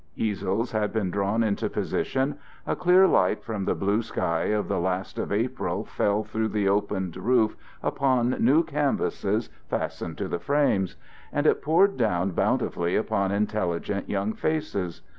Easels had been drawn into position; a clear light from the blue sky of the last of April fell through the opened roof upon new canvases fastened to the frames. And it poured down bountifully upon intelligent young faces.